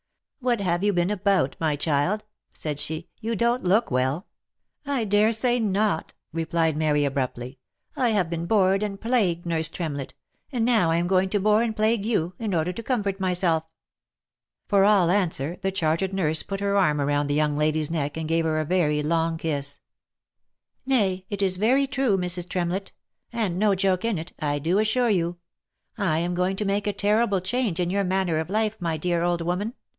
" What have you been about, my child ?" said she, " you don't look well." " I dare say not," replied Mary abruptly, " I have been bored and plagued, nurse Tremlett ; and now I am going to bore and plague you, in order to comfort myself." OF MICHAEL ARMSTRONG. 89 For all answer, the chartered nurse put her arm round the young lady's neck, and gave her a very loving kiss. " Nay, it is very true, Mrs. Tremlett ; and no joke in it, I do assure you. I am going to make a terrible change in your manner of life, my dear old woman.